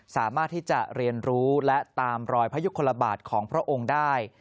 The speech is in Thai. สามารถที่จะเรียนรู้และตามรอยพระยุคลบาทของพระองค์ได้